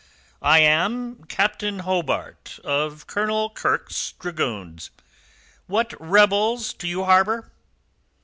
"I am Captain Hobart, of Colonel Kirke's dragoons. What rebels do you harbour?"